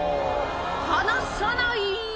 離さない！